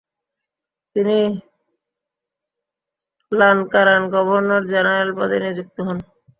তিনি Lankaran governor general পদে নিযুক্ত হন।